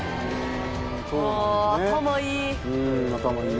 頭いい！